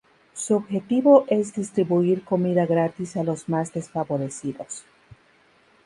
Su objetivo es distribuir comida gratis a los más desfavorecidos.